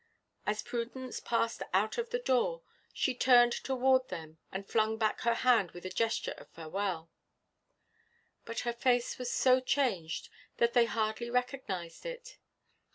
As Prudence passed out of the door, she turned toward them and flung back her hand with a gesture of farewell. But her face was so changed that they hardly recognized it.